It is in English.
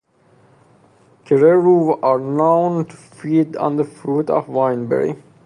Kereru are known to feed on the fruit of wineberry.